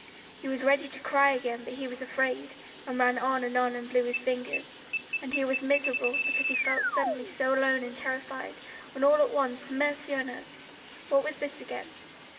He was ready to cry again but he was afraid, and ran on and on and blew his fingers. And he was miserable because he felt suddenly so lonely and terrified, and all at once, mercy on us! What was this again?